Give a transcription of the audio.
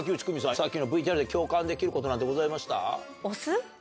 さっきのＶＴＲで共感できることなんてございました？